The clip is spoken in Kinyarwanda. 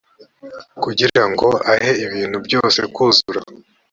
kugira ngo ahe ibintu byose kuzura